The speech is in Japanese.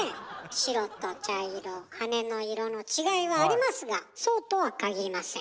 白と茶色羽の色の違いはありますがそうとは限りません。